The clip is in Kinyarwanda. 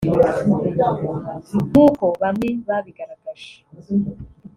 nk’uko bamwe babigaragaje